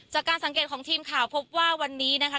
จากการสังเกตของทีมข่าวพบว่าวันนี้นะคะ